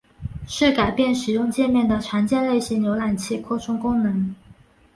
是改变使用介面的常见类型浏览器扩充功能。